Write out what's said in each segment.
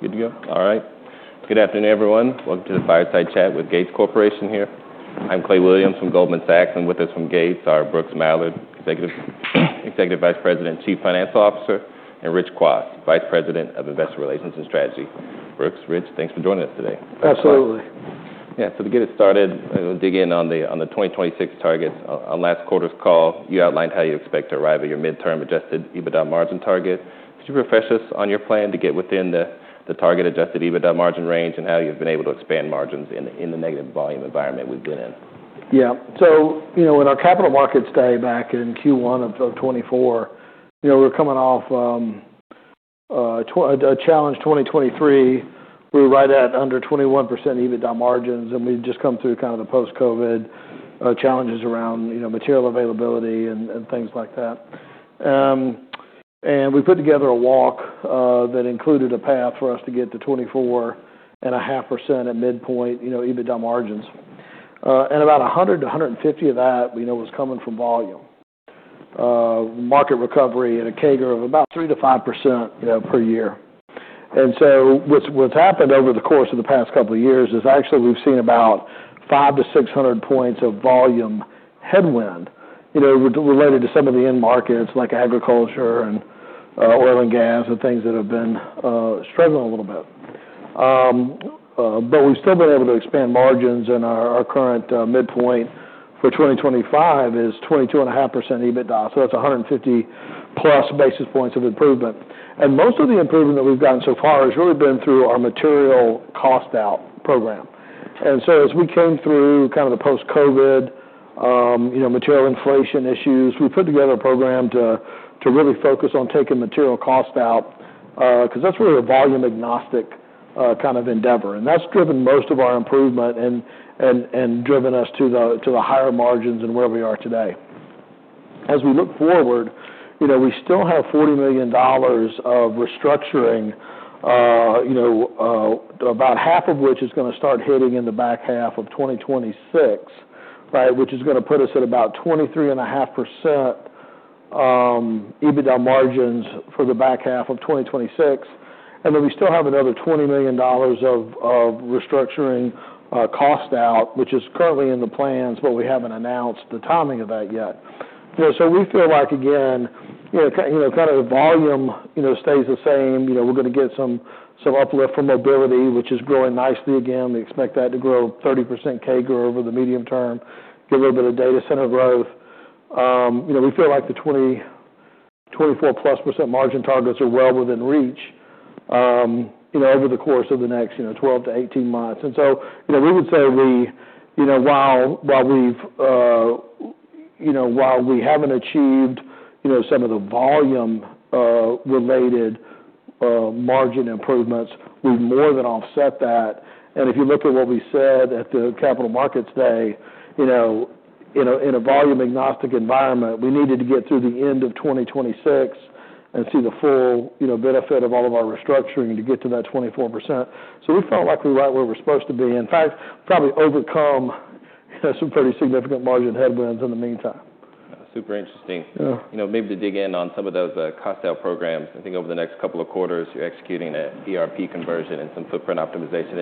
Good to go. All right. Good afternoon, everyone. Welcome to the Fireside Chat with Gates Corporation here. I'm Clay Williams from Goldman Sachs. And with us from Gates are Brooks Mallard, Executive Vice President and Chief Financial Officer, and Rich Kwas, Vice President of Investor Relations and Strategy. Brooks, Rich, thanks for joining us today. Absolutely. Yeah. So to get us started, we'll dig in on the 2026 targets. On last quarter's call, you outlined how you expect to arrive at your midterm Adjusted EBITDA margin target. Could you refresh us on your plan to get within the target Adjusted EBITDA margin range and how you've been able to expand margins in the negative volume environment we've been in? Yeah. So when our capital markets day back in Q1 of 2024, we were coming off a challenging 2023. We were right at under 21% EBITDA margins. And we'd just come through kind of the post-COVID challenges around material availability and things like that. And we put together a walk that included a path for us to get to 24.5% midpoint EBITDA margins. And about 100 to 150 of that was coming from volume, market recovery, and a CAGR of about 3%-5% per year. And so what's happened over the course of the past couple of years is actually we've seen about 5 to 600 points of volume headwind related to some of the end markets like agriculture and oil and gas and things that have been struggling a little bit. But we've still been able to expand margins. And our current midpoint for 2025 is 22.5% EBITDA. So that's 150+ basis points of improvement. And most of the improvement that we've gotten so far has really been through our material cost-out program. And so as we came through kind of the post-COVID material inflation issues, we put together a program to really focus on taking material costs out because that's really a volume-agnostic kind of endeavor. And that's driven most of our improvement and driven us to the higher margins and where we are today. As we look forward, we still have $40 million of restructuring, about half of which is going to start hitting in the back half of 2026, which is going to put us at about 23.5% EBITDA margins for the back half of 2026. And then we still have another $20 million of restructuring cost out, which is currently in the plans, but we haven't announced the timing of that yet. So we feel like, again, kind of the volume stays the same. We're going to get some uplift from mobility, which is growing nicely again. We expect that to grow 30% CAGR over the medium term, get a little bit of data center growth. We feel like the 24+% margin targets are well within reach over the course of the next 12-18 months. And so we would say while we haven't achieved some of the volume-related margin improvements, we've more than offset that. If you look at what we said at the Capital Markets Day, in a volume-agnostic environment, we needed to get through the end of 2026 and see the full benefit of all of our restructuring to get to that 24%. We felt like we were right where we're supposed to be. In fact, probably overcome some pretty significant margin headwinds in the meantime. Super interesting. Maybe to dig in on some of those cost-out programs, I think over the next couple of quarters, you're executing an ERP conversion and some footprint optimization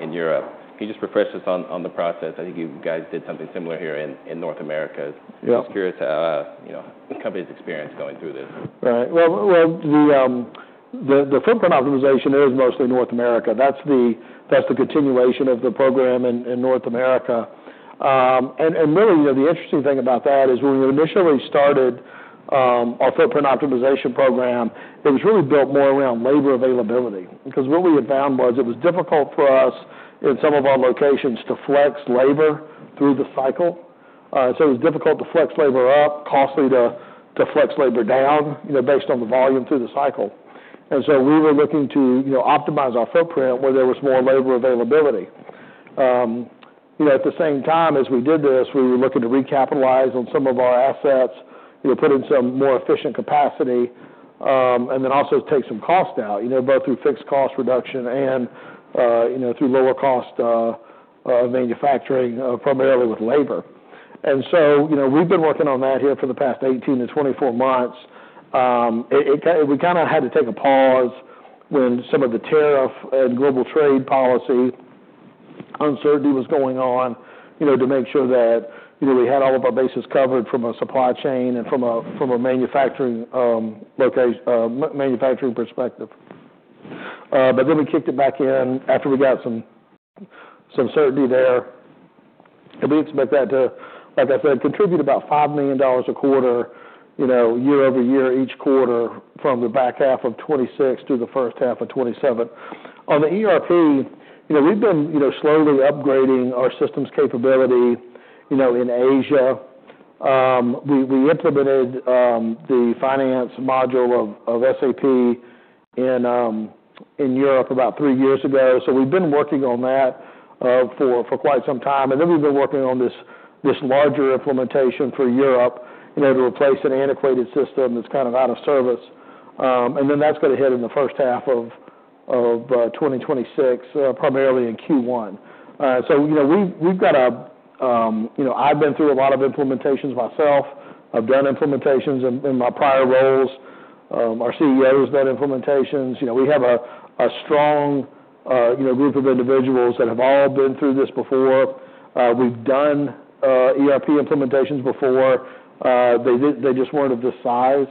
in Europe. Can you just refresh us on the process? I think you guys did something similar here in North America. I'm just curious how the company's experience going through this? Right. Well, the footprint optimization is mostly North America. That's the continuation of the program in North America. And really, the interesting thing about that is when we initially started our footprint optimization program, it was really built more around labor availability. Because what we had found was it was difficult for us in some of our locations to flex labor through the cycle. So it was difficult to flex labor up, costly to flex labor down based on the volume through the cycle. And so we were looking to optimize our footprint where there was more labor availability. At the same time as we did this, we were looking to recapitalize on some of our assets, put in some more efficient capacity, and then also take some cost out, both through fixed cost reduction and through lower cost of manufacturing, primarily with labor. We've been working on that here for the past 18-24 months. We kind of had to take a pause when some of the tariff and global trade policy uncertainty was going on to make sure that we had all of our bases covered from a supply chain and from a manufacturing perspective. We kicked it back in after we got some certainty there. We expect that to, like I said, contribute about $5 million a quarter, year over year, each quarter from the back half of 2026 to the first half of 2027. On the ERP, we've been slowly upgrading our systems capability in Asia. We implemented the finance module of SAP in Europe about three years ago. We've been working on that for quite some time. And then we've been working on this larger implementation for Europe to replace an antiquated system that's kind of out of service. And then that's going to hit in the first half of 2026, primarily in Q1. So we've got. I've been through a lot of implementations myself. I've done implementations in my prior roles. Our CEO has done implementations. We have a strong group of individuals that have all been through this before. We've done ERP implementations before. They just weren't of this size.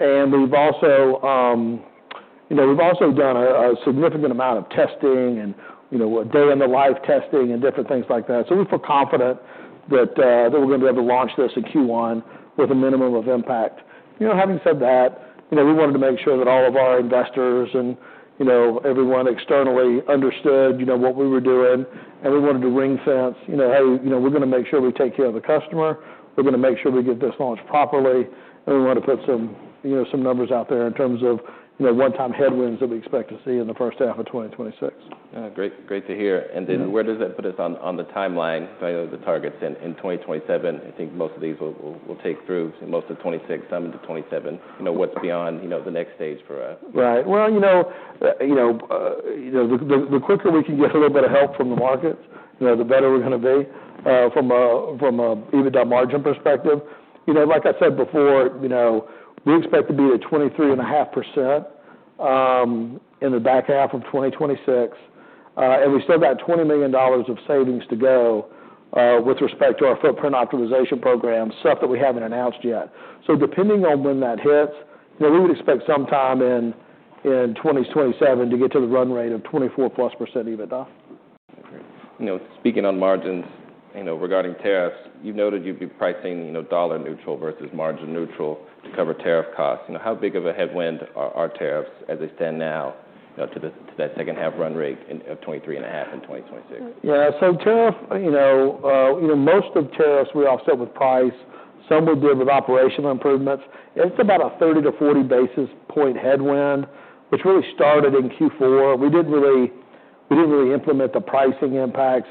And we've also done a significant amount of testing and day-in-the-life testing and different things like that. So we feel confident that we're going to be able to launch this in Q1 with a minimum of impact. Having said that, we wanted to make sure that all of our investors and everyone externally understood what we were doing. We wanted to ring-fence, "Hey, we're going to make sure we take care of the customer. We're going to make sure we get this launched properly." We wanted to put some numbers out there in terms of one-time headwinds that we expect to see in the first half of 2026. Yeah. Great to hear. And then where does that put us on the timeline? I know the targets in 2027. I think most of these will take through most of 2026, some into 2027. What's beyond the next stage for us? Right. Well, the quicker we can get a little bit of help from the markets, the better we're going to be from an EBITDA margin perspective. Like I said before, we expect to be at 23.5% in the back half of 2026. And we still got $20 million of savings to go with respect to our footprint optimization program, stuff that we haven't announced yet. So depending on when that hits, we would expect sometime in 2027 to get to the run rate of 24+% EBITDA. Speaking on margins, regarding tariffs, you've noted you'd be pricing dollar-neutral versus margin-neutral to cover tariff costs. How big of a headwind are tariffs as they stand now to that second-half run rate of 23.5% in 2026? Yeah. So tariff, most of tariffs we offset with price. Some we did with operational improvements. It's about a 30-40 basis point headwind, which really started in Q4. We didn't really implement the pricing impacts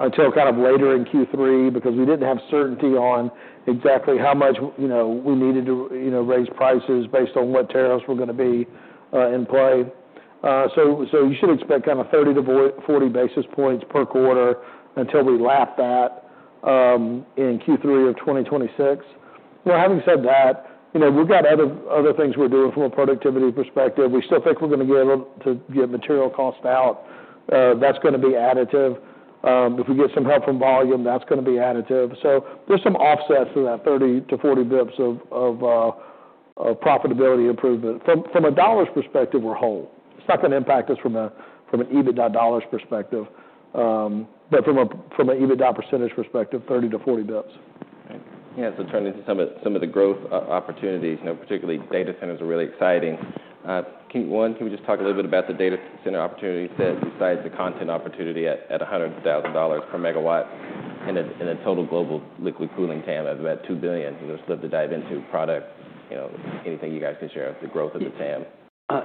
until kind of later in Q3 because we didn't have certainty on exactly how much we needed to raise prices based on what tariffs were going to be in play. So you should expect kind of 30-40 basis points per quarter until we lap that in Q3 of 2026. Having said that, we've got other things we're doing from a productivity perspective. We still think we're going to be able to get material cost out. That's going to be additive. If we get some help from volume, that's going to be additive. So there's some offsets to that 30-40 basis points of profitability improvement. From a dollar's perspective, we're whole. It's not going to impact us from an EBITDA dollar's perspective. But from an EBITDA percentage perspective, 30-40 basis points. Yeah. So turning to some of the growth opportunities, particularly data centers are really exciting. One, can we just talk a little bit about the data center opportunities besides the content opportunity at $100,000 per megawatt and a total global liquid cooling TAM of about $2 billion? We'd just love to dive into product. Anything you guys can share with the growth of the TAM?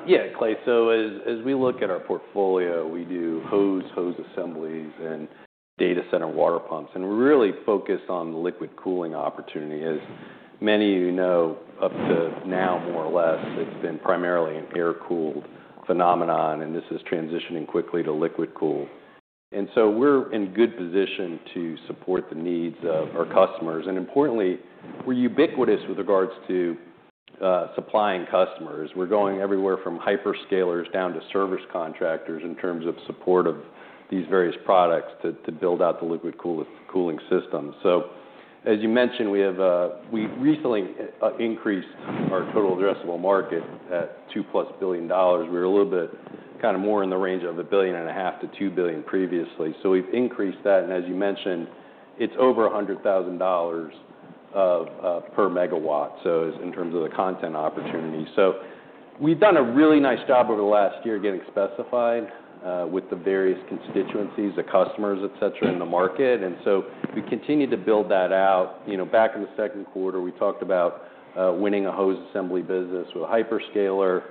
Yeah, Clay. So as we look at our portfolio, we do hose, hose assemblies, and data center water pumps. And we're really focused on the liquid cooling opportunity. As many of you know, up to now, more or less, it's been primarily an air-cooled phenomenon. And this is transitioning quickly to liquid cool. And so we're in good position to support the needs of our customers. And importantly, we're ubiquitous with regards to supplying customers. We're going everywhere from hyperscalers down to service contractors in terms of support of these various products to build out the liquid cooling system. So as you mentioned, we recently increased our total addressable market at $2+ billion. We were a little bit kind of more in the range of $1.5 billion-$2 billion previously. So we've increased that. And as you mentioned, it's over $100,000 per megawatt in terms of the content opportunity. So we've done a really nice job over the last year getting specified with the various constituencies, the customers, etc., in the market. And so we continue to build that out. Back in the second quarter, we talked about winning a hose assembly business with a hyperscaler.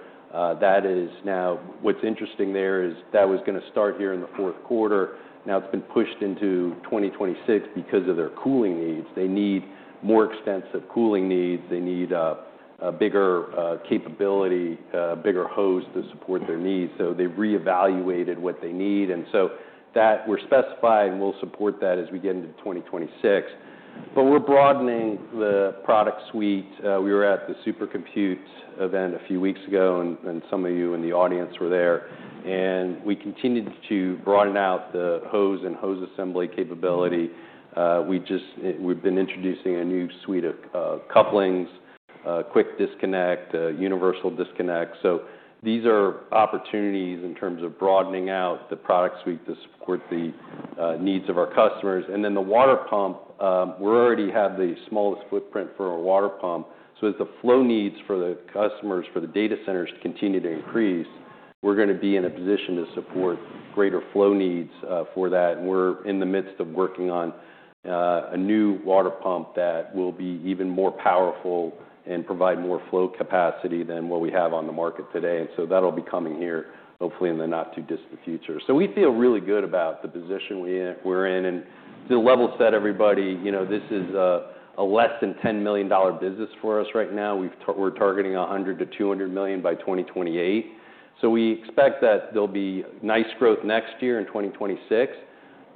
That is now what's interesting there is that was going to start here in the fourth quarter. Now it's been pushed into 2026 because of their cooling needs. They need more extensive cooling needs. They need a bigger capability, a bigger hose to support their needs, so they've reevaluated what they need, and so we're specified and we'll support that as we get into 2026, but we're broadening the product suite. We were at the Supercomputing event a few weeks ago, and some of you in the audience were there, and we continued to broaden out the hose and hose assembly capability. We've been introducing a new suite of couplings, quick disconnect, universal disconnect, so these are opportunities in terms of broadening out the product suite to support the needs of our customers, and then the water pump, we already have the smallest footprint for our water pump. As the flow needs for the customers for the data centers continue to increase, we're going to be in a position to support greater flow needs for that. And we're in the midst of working on a new water pump that will be even more powerful and provide more flow capacity than what we have on the market today. And so that'll be coming here, hopefully, in the not-too-distant future. So we feel really good about the position we're in. And to level set everybody, this is a less than $10 million business for us right now. We're targeting $100-$200 million by 2028. So we expect that there'll be nice growth next year in 2026.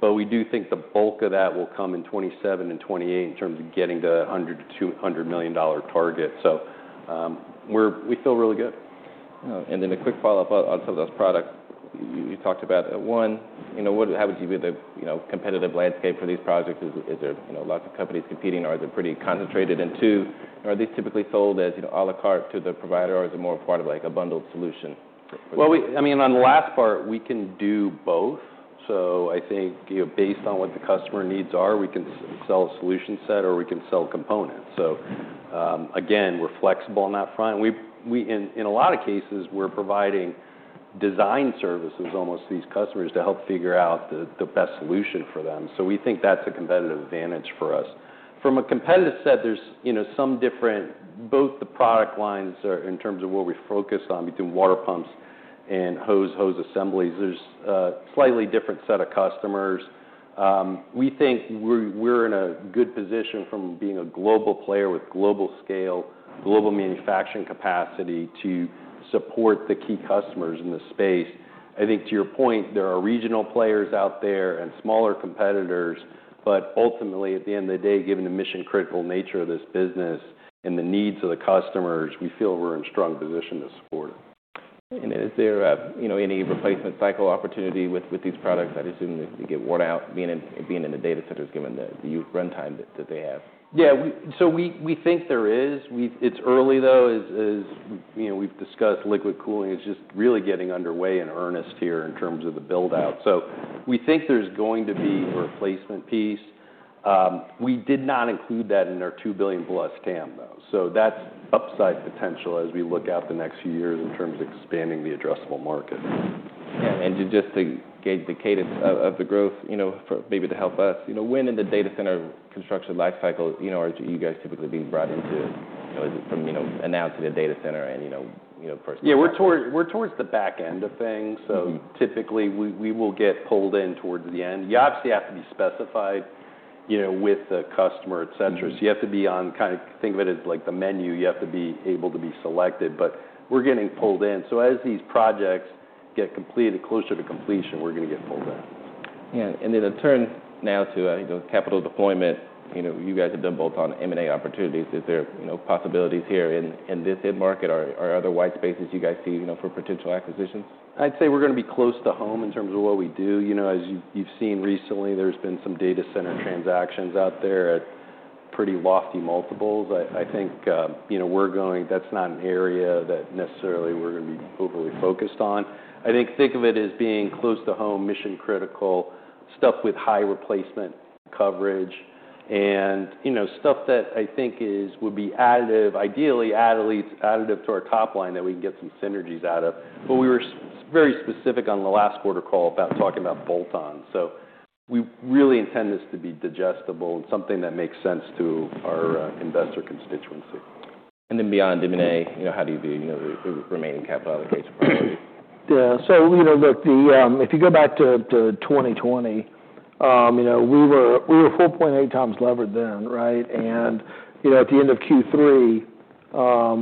But we do think the bulk of that will come in 2027 and 2028 in terms of getting to the $100-$200 million target. So we feel really good. And then a quick follow-up on some of those products you talked about. One, how would you view the competitive landscape for these projects? Is there lots of companies competing, or are they pretty concentrated? And two, are these typically sold as à la carte to the provider, or is it more part of a bundled solution? Well, I mean, on the last part, we can do both. So I think based on what the customer needs are, we can sell a solution set or we can sell components. So again, we're flexible on that front. In a lot of cases, we're providing design services almost to these customers to help figure out the best solution for them. So we think that's a competitive advantage for us. From a competitive set, there's some different both the product lines in terms of what we focus on between water pumps and hose assemblies. There's a slightly different set of customers. We think we're in a good position from being a global player with global scale, global manufacturing capacity to support the key customers in the space. I think to your point, there are regional players out there and smaller competitors. But ultimately, at the end of the day, given the mission-critical nature of this business and the needs of the customers, we feel we're in a strong position to support it. Is there any replacement cycle opportunity with these products? I'd assume they get worn out being in the data centers given the runtime that they have. Yeah. So we think there is. It's early, though, as we've discussed. Liquid cooling is just really getting underway in earnest here in terms of the build-out. So we think there's going to be a replacement piece. We did not include that in our $2 billion plus TAM, though. So that's upside potential as we look out the next few years in terms of expanding the addressable market. Yeah. And just to gauge the cadence of the growth, maybe to help us, when in the data center construction lifecycle are you guys typically being brought into it? Is it from announcing a data center and first? Yeah. We're towards the back end of things, so typically, we will get pulled in towards the end. You obviously have to be specified with the customer, etc., so you have to be on, kind of think of it as like the menu. You have to be able to be selected, but we're getting pulled in, so as these projects get completed, closer to completion, we're going to get pulled in. Yeah. And then to turn now to capital deployment, you guys have done both on M&A opportunities. Is there possibilities here in this end market or other white spaces you guys see for potential acquisitions? I'd say we're going to be close to home in terms of what we do. As you've seen recently, there's been some data center transactions out there at pretty lofty multiples. I think we're going. That's not an area that necessarily we're going to be overly focused on. I think of it as being close to home, mission-critical stuff with high replacement coverage, and stuff that I think would be additive, ideally additive to our top line that we can get some synergies out of. But we were very specific on the last quarter call about talking about bolt-on. So we really intend this to be digestible and something that makes sense to our investor constituency. Beyond M&A, how do you view the remaining capital allocation priorities? Yeah, so look, if you go back to 2020, we were 4.8 times levered then, right? At the end of Q3,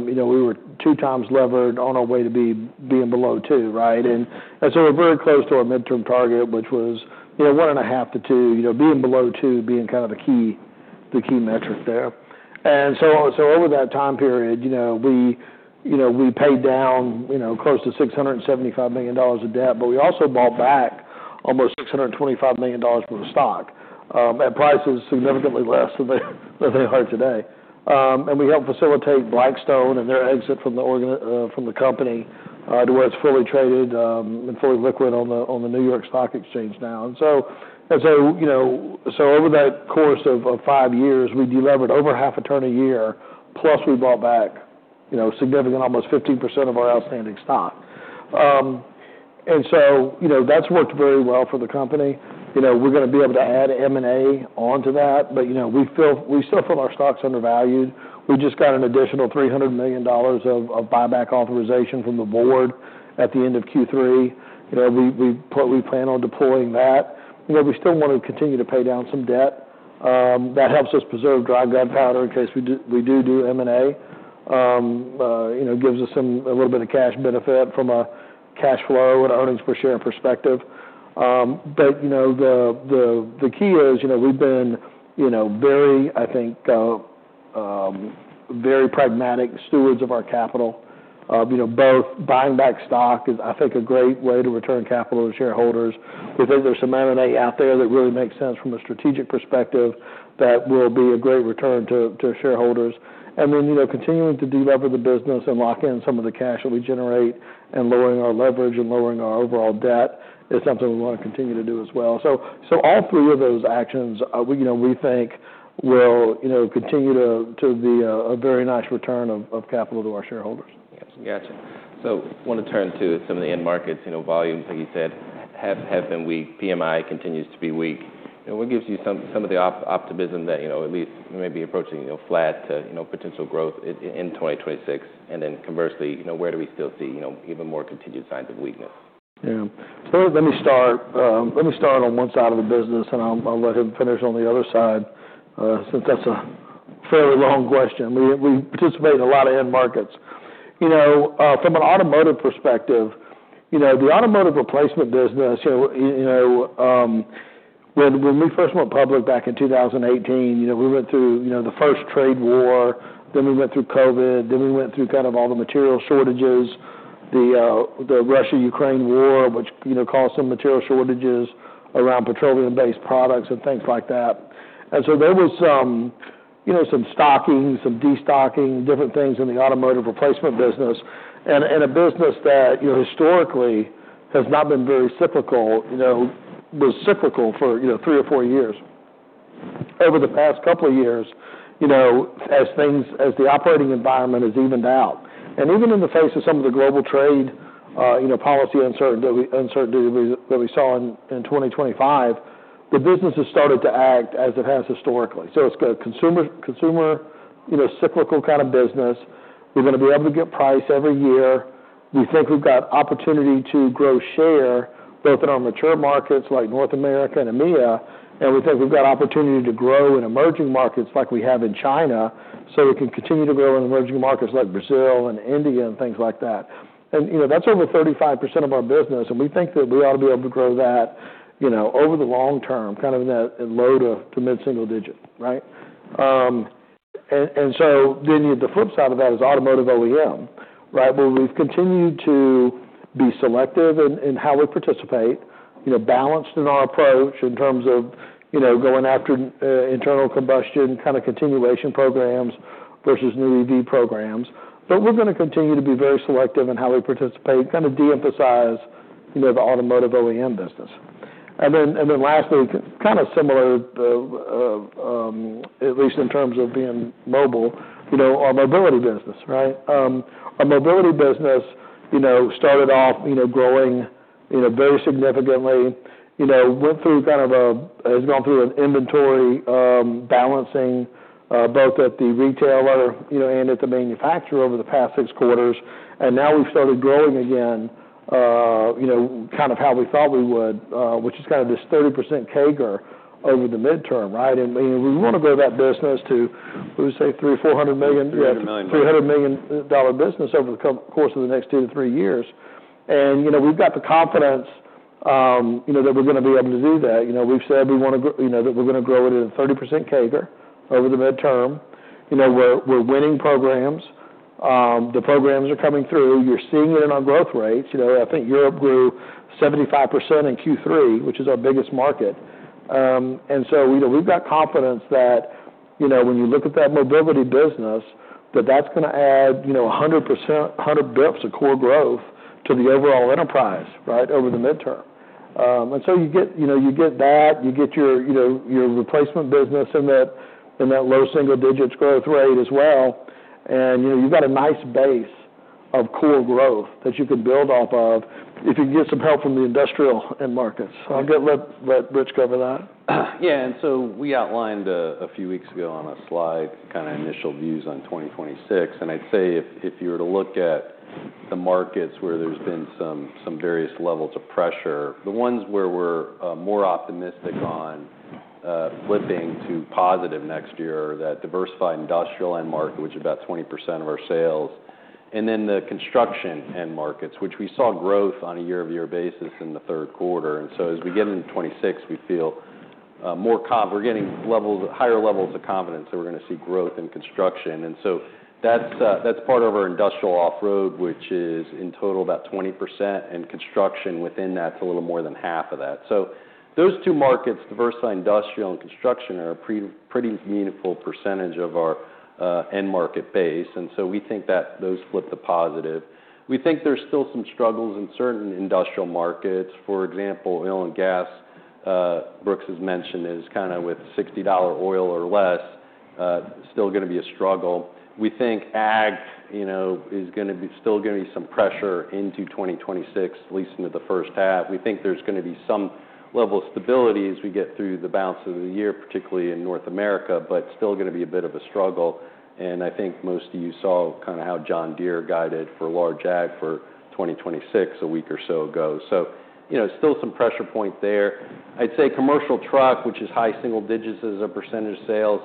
we were two times levered on our way to being below two, right? We're very close to our midterm target, which was one and a half to two, being below two being kind of the key metric there. Over that time period, we paid down close to $675 million of debt. We also bought back almost $625 million worth of stock at prices significantly less than they are today. We helped facilitate Blackstone and their exit from the company to where it's fully traded and fully liquid on the New York Stock Exchange now. Over that course of five years, we delivered over half a turn a year, plus we bought back significant almost 15% of our outstanding stock. And so that's worked very well for the company. We're going to be able to add M&A onto that. But we still feel our stock's undervalued. We just got an additional $300 million of buyback authorization from the board at the end of Q3. We plan on deploying that. We still want to continue to pay down some debt. That helps us preserve dry powder in case we do do M&A. It gives us a little bit of cash benefit from a cash flow and earnings per share perspective. But the key is we've been very, I think, very pragmatic stewards of our capital. Both buying back stock is, I think, a great way to return capital to shareholders. We think there's some M&A out there that really makes sense from a strategic perspective that will be a great return to shareholders. And then, continuing to deliver the business and lock in some of the cash that we generate and lowering our leverage and lowering our overall debt is something we want to continue to do as well. So, all three of those actions, we think, will continue to be a very nice return of capital to our shareholders. Gotcha. So I want to turn to some of the end markets. Volumes, like you said, have been weak. PMI continues to be weak. What gives you some of the optimism that at least may be approaching flat to potential growth in 2026? And then conversely, where do we still see even more continued signs of weakness? Yeah. So let me start on one side of the business, and I'll let him finish on the other side since that's a fairly long question. We participate in a lot of end markets. From an automotive perspective, the automotive replacement business, when we first went public back in 2018, we went through the first trade war. Then we went through COVID. Then we went through kind of all the material shortages, the Russia-Ukraine war, which caused some material shortages around petroleum-based products and things like that. And so there was some stocking, some destocking, different things in the automotive replacement business, and a business that historically has not been very cyclical was cyclical for three or four years. Over the past couple of years, as the operating environment has evened out, and even in the face of some of the global trade policy uncertainty that we saw in 2025, the business has started to act as it has historically. So it's a consumer cyclical kind of business. We're going to be able to get price every year. We think we've got opportunity to grow share both in our mature markets like North America and EMEA. And we think we've got opportunity to grow in emerging markets like we have in China so we can continue to grow in emerging markets like Brazil and India and things like that. And that's over 35% of our business. And we think that we ought to be able to grow that over the long term, kind of in that low to mid-single digit, right? And so then the flip side of that is automotive OEM, right? Well, we've continued to be selective in how we participate, balanced in our approach in terms of going after internal combustion kind of continuation programs versus new EV programs. But we're going to continue to be very selective in how we participate, kind of de-emphasize the automotive OEM business. And then lastly, kind of similar, at least in terms of being mobile, our mobility business, right? Our mobility business started off growing very significantly, went through kind of has gone through an inventory balancing both at the retailer and at the manufacturer over the past six quarters. And now we've started growing again kind of how we thought we would, which is kind of this 30% CAGR over the midterm, right? And we want to grow that business to, we would say, $300-400 million. $300 million. Yeah, $300 million business over the course of the next two to three years. And we've got the confidence that we're going to be able to do that. We've said we want to that we're going to grow it at a 30% CAGR over the midterm. We're winning programs. The programs are coming through. You're seeing it in our growth rates. I think Europe grew 75% in Q3, which is our biggest market. And so we've got confidence that when you look at that mobility business, that that's going to add 100 basis points of core growth to the overall enterprise, right, over the midterm. And so you get that. You get your replacement business in that low single digits growth rate as well. And you've got a nice base of core growth that you can build off of if you can get some help from the industrial end markets. I'll let Rich cover that. Yeah. And so we outlined a few weeks ago on a slide kind of initial views on 2026. And I'd say if you were to look at the markets where there's been some various levels of pressure, the ones where we're more optimistic on flipping to positive next year are that diversified industrial end market, which is about 20% of our sales, and then the construction end markets, which we saw growth on a year-over-year basis in the third quarter. And so as we get into 2026, we feel more confident. We're getting higher levels of confidence that we're going to see growth in construction. And so that's part of our industrial off-road, which is in total about 20%. And construction within that's a little more than half of that. So those two markets, diversified industrial and construction, are a pretty meaningful percentage of our end market base. And so we think that those flip to positive. We think there's still some struggles in certain industrial markets. For example, oil and gas, Brooks has mentioned, is kind of with $60 oil or less, still going to be a struggle. We think ag is going to be still going to be some pressure into 2026, at least into the first half. We think there's going to be some level of stability as we get through the balance of the year, particularly in North America, but still going to be a bit of a struggle. And I think most of you saw kind of how John Deere guided for large ag for 2026 a week or so ago. So still some pressure point there. I'd say commercial truck, which is high single digits as a percentage of sales.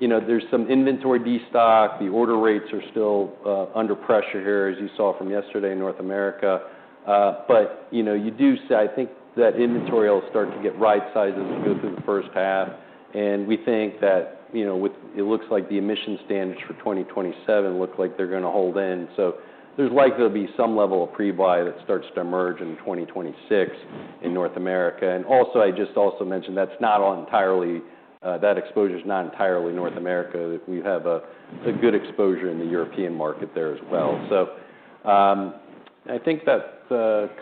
There's some inventory destock. The order rates are still under pressure here, as you saw from yesterday in North America, but you do see, I think, that inventory will start to get right sizes to go through the first half, and we think that it looks like the emissions standards for 2027 look like they're going to hold in, so there's likely to be some level of prebuy that starts to emerge in 2026 in North America, and also, I just also mentioned that's not entirely, that exposure is not entirely North America. We have a good exposure in the European market there as well. So I think that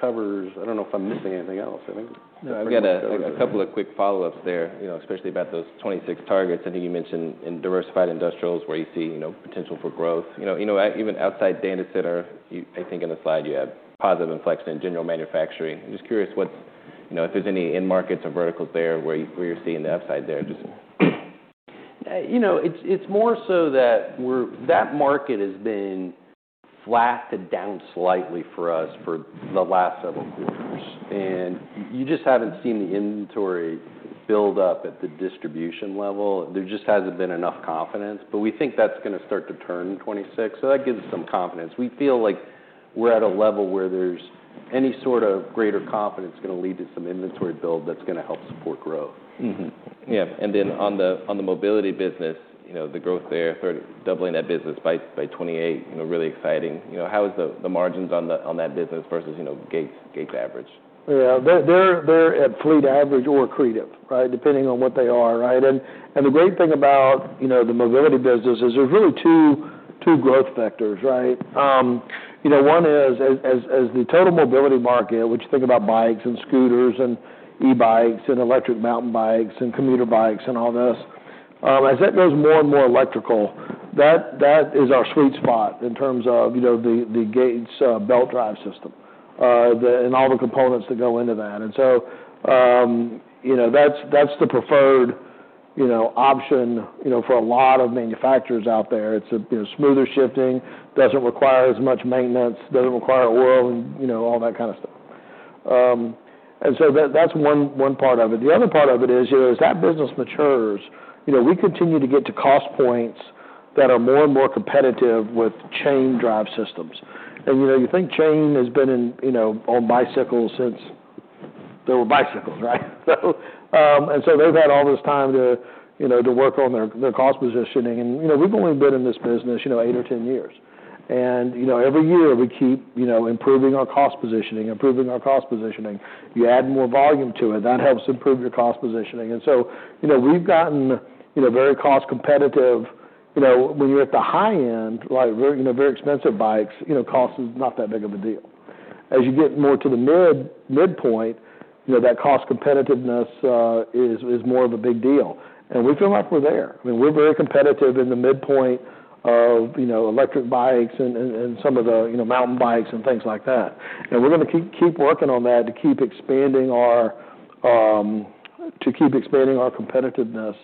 covers. I don't know if I'm missing anything else. I think. I've got a couple of quick follow-ups there, especially about those 26 targets. I think you mentioned in diversified industrials where you see potential for growth. Even outside data center, I think in the slide you have positive inflection in general manufacturing. I'm just curious if there's any end markets or verticals there where you're seeing the upside there. It's more so that that market has been flat to down slightly for us for the last several quarters. And you just haven't seen the inventory build up at the distribution level. There just hasn't been enough confidence. But we think that's going to start to turn in 2026. So that gives us some confidence. We feel like we're at a level where any sort of greater confidence is going to lead to some inventory build that's going to help support growth. Yeah. And then on the mobility business, the growth there, doubling that business by 2028, really exciting. How is the margins on that business versus Gates average? Yeah. They're at fleet average or accretive, right, depending on what they are, right? And the great thing about the mobility business is there's really two growth vectors, right? One is, as the total mobility market, which you think about bikes and scooters and e-bikes and electric mountain bikes and commuter bikes and all this, as that goes more and more electrical, that is our sweet spot in terms of the Gates belt drive system and all the components that go into that. And so that's the preferred option for a lot of manufacturers out there. It's smoother shifting, doesn't require as much maintenance, doesn't require oil and all that kind of stuff. And so that's one part of it. The other part of it is, as that business matures, we continue to get to cost points that are more and more competitive with chain drive systems. You think chain has been on bicycles since there were bicycles, right? They've had all this time to work on their cost positioning. We've only been in this business eight or 10 years. Every year we keep improving our cost positioning, improving our cost positioning. You add more volume to it, that helps improve your cost positioning. We've gotten very cost competitive. When you're at the high end, like very expensive bikes, cost is not that big of a deal. As you get more to the midpoint, that cost competitiveness is more of a big deal. We feel like we're there. I mean, we're very competitive in the midpoint of electric bikes and some of the mountain bikes and things like that. We're going to keep working on that to keep expanding our competitiveness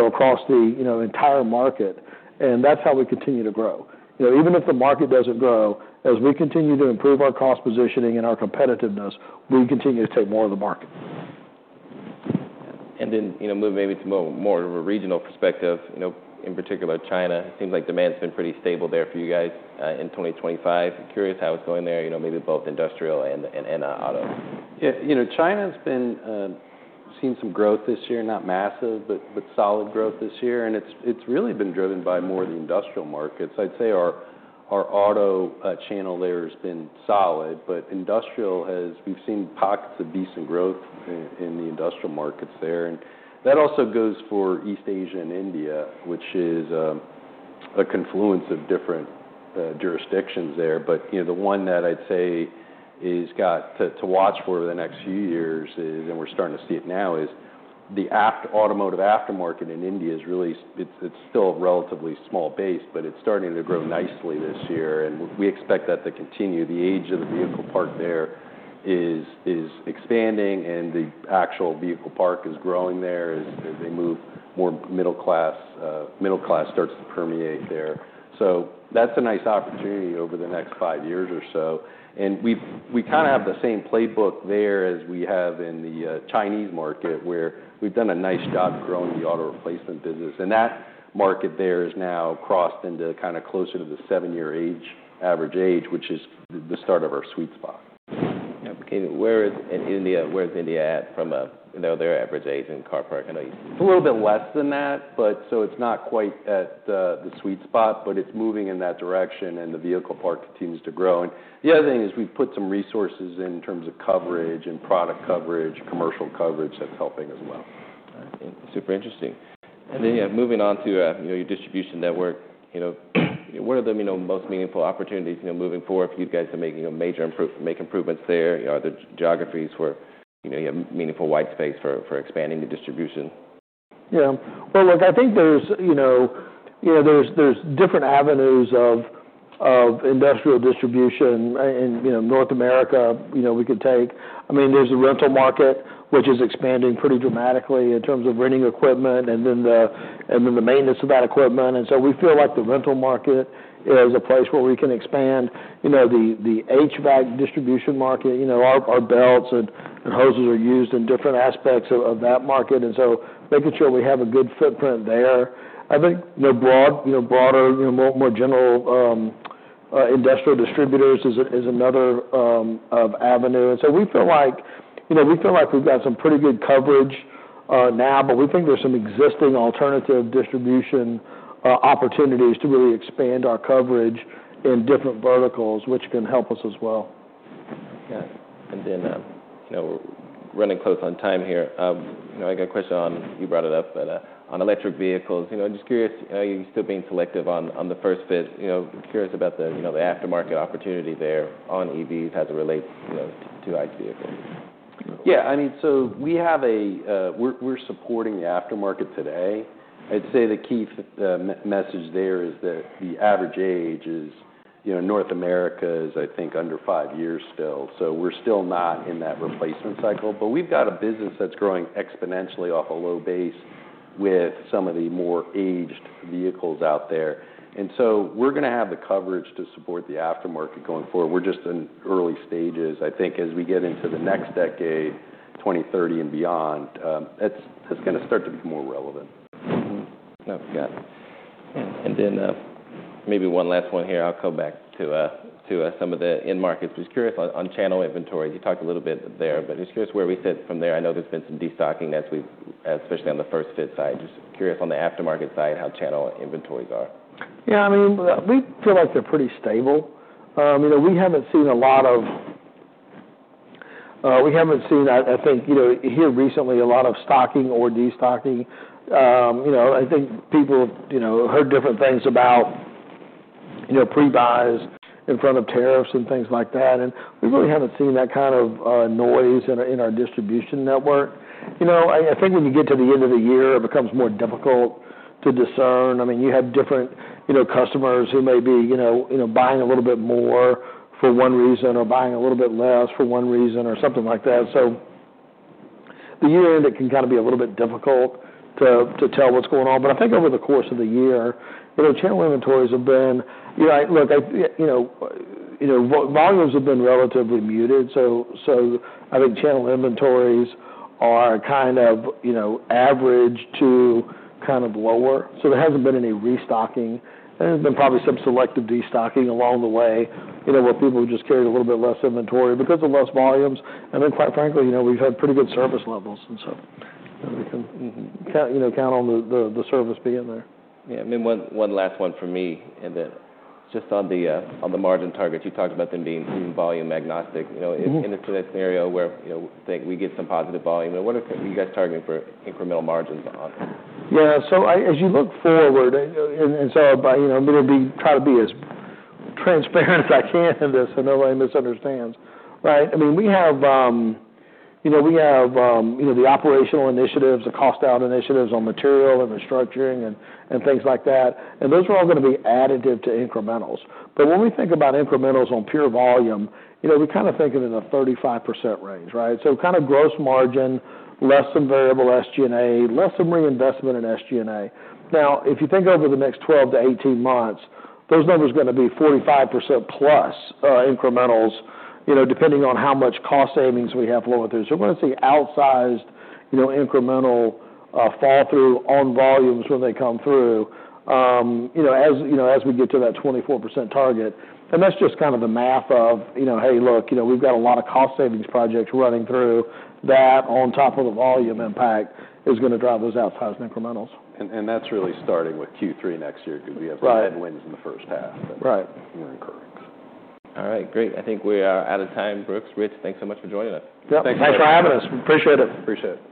across the entire market. That's how we continue to grow. Even if the market doesn't grow, as we continue to improve our cost positioning and our competitiveness, we continue to take more of the market. Then move maybe to more of a regional perspective. In particular, China. It seems like demand has been pretty stable there for you guys in 2025. Curious how it's going there, maybe both industrial and auto? China has been seeing some growth this year, not massive, but solid growth this year, and it's really been driven by more of the industrial markets. I'd say our auto channel there has been solid, but industrial, we've seen pockets of decent growth in the industrial markets there, and that also goes for East Asia and India, which is a confluence of different jurisdictions there. The one that I'd say is got to watch for the next few years, and we're starting to see it now, is the automotive aftermarket in India. It's really it's still a relatively small base, but it's starting to grow nicely this year, and we expect that to continue. The age of the vehicle park there is expanding, and the actual vehicle park is growing there as they move more middle class, middle class starts to permeate there. That's a nice opportunity over the next five years or so. We kind of have the same playbook there as we have in the Chinese market, where we've done a nice job growing the auto replacement business. That market there is now crossed into kind of closer to the seven-year average age, which is the start of our sweet spot. Yeah. Where is India at from their average age in car park? I know it's a little bit less than that, so it's not quite at the sweet spot, but it's moving in that direction, and the vehicle park continues to grow. And the other thing is we've put some resources in terms of coverage and product coverage, commercial coverage that's helping as well. All right. Super interesting. And then moving on to your distribution network, what are the most meaningful opportunities moving forward if you guys are making major improvements there? Are there geographies where you have meaningful white space for expanding the distribution? Yeah. Well, look, I think there's different avenues of industrial distribution in North America we could take. I mean, there's the rental market, which is expanding pretty dramatically in terms of renting equipment and then the maintenance of that equipment. And so we feel like the rental market is a place where we can expand. The HVAC distribution market, our belts and hoses are used in different aspects of that market. And so making sure we have a good footprint there. I think broader, more general industrial distributors is another avenue. And so we feel like we've got some pretty good coverage now, but we think there's some existing alternative distribution opportunities to really expand our coverage in different verticals, which can help us as well. Yeah. And then we're running close on time here. I got a question on. You brought it up, but on electric vehicles, I'm just curious. You're still being selective on the first fit. Curious about the aftermarket opportunity there on EVs as it relates to ICE vehicles. Yeah. I mean, so we have, we're supporting the aftermarket today. I'd say the key message there is that the average age in North America is, I think, under five years still. So we're still not in that replacement cycle. But we've got a business that's growing exponentially off a low base with some of the more aged vehicles out there. And so we're going to have the coverage to support the aftermarket going forward. We're just in early stages. I think as we get into the next decade, 2030 and beyond, that's going to start to be more relevant. Okay. And then maybe one last one here. I'll come back to some of the end markets. I was curious on channel inventory. You talked a little bit there, but I'm just curious where we sit from there. I know there's been some destocking, especially on the first fit side. Just curious on the aftermarket side how channel inventories are. Yeah. I mean, we feel like they're pretty stable. We haven't seen a lot of, I think, here recently, a lot of stocking or destocking. I think people have heard different things about prebuys in front of tariffs and things like that. And we really haven't seen that kind of noise in our distribution network. I think when you get to the end of the year, it becomes more difficult to discern. I mean, you have different customers who may be buying a little bit more for one reason or buying a little bit less for one reason or something like that. So the year-end, it can kind of be a little bit difficult to tell what's going on. But I think over the course of the year, channel inventories have been look, volumes have been relatively muted. So I think channel inventories are kind of average to kind of lower. So there hasn't been any restocking. There has been probably some selective destocking along the way where people have just carried a little bit less inventory because of less volumes. And then, quite frankly, we've had pretty good service levels. And so we can count on the service being there. Yeah. I mean, one last one for me, and then just on the margin targets, you talked about them being volume agnostic. In a scenario where we get some positive volume, what are you guys targeting for incremental margins on? Yeah. So as you look forward, and so I'm going to try to be as transparent as I can in this so nobody misunderstands, right? I mean, we have the operational initiatives, the cost-out initiatives on material and restructuring and things like that. And those are all going to be additive to incrementals. But when we think about incrementals on pure volume, we kind of think of it in a 35% range, right? So kind of gross margin, less than variable SG&A, less than reinvestment in SG&A. Now, if you think over the next 12-18 months, those numbers are going to be 45% plus incrementals, depending on how much cost savings we have flowing through. So we're going to see outsized incremental fall-through on volumes when they come through as we get to that 24% target. And that's just kind of the math of, "Hey, look, we've got a lot of cost savings projects running through." That on top of the volume impact is going to drive those outsized incrementals. That's really starting with Q3 next year because we have some headwinds in the first half that we're incurring. Right. All right. Great. I think we are out of time, Brooks, Rich. Thanks so much for joining us. Thanks for having us. Appreciate it. Appreciate it.